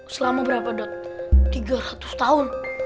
selama berapa dok tiga ratus tahun